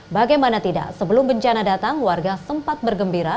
bagaimana tidak sebelum bencana datang warga sempat bergembira